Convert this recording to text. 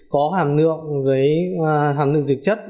có hàm lượng dược chất